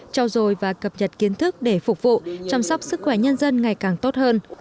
trao dồi và cập nhật kiến thức để phục vụ chăm sóc sức khỏe nhân dân ngày càng tốt hơn